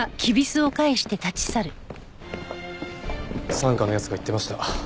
三課の奴が言ってました。